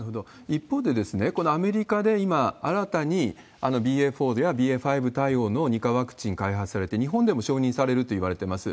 一方で、このアメリカで今、新たにＢＡ．４やＢＡ．５対応の２価ワクチン開発されて、日本でも承認されるといわれてます。